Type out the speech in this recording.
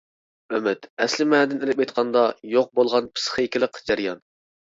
ئۈمىد ئەسلى مەنىدىن ئېلىپ ئېيتقاندا، يوق بولغان پىسخىكىلىق جەريان.